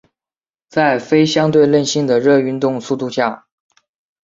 在非相对论性的热运动速度下。